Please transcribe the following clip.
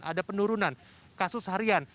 ada penurunan kasus harian